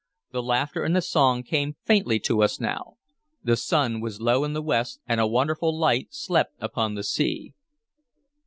The laughter and the song came faintly to us now. The sun was low in the west, and a wonderful light slept upon the sea.